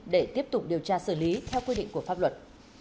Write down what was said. để tiếp tục điều tra xử lý theo quy định của pháp luật